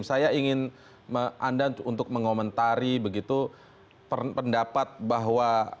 saya ingin anda untuk mengomentari begitu pendapat bahwa